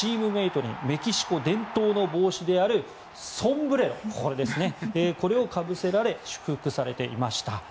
メキシコ伝統の帽子であるソンブレロをかぶせられて祝福されていました。